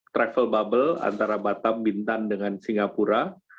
travel bubble antara batam bintan dengan singapura